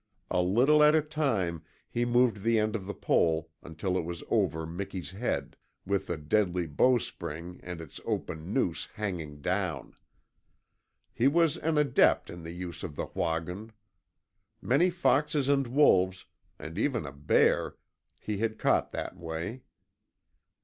A little at a time he moved the end of the pole until it was over Miki's head, with the deadly bowstring and its open noose hanging down. He was an adept in the use of the WAHGUN. Many foxes and wolves, and even a bear, he had caught that way.